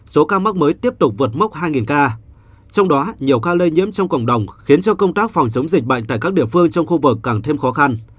số ca mắc mới tiếp tục vượt mốc hai ca trong đó nhiều ca lây nhiễm trong cộng đồng khiến cho công tác phòng chống dịch bệnh tại các địa phương trong khu vực càng thêm khó khăn